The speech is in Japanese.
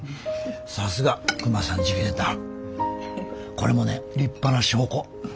これもね立派な証拠。